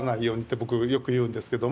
僕よく言うんですけども。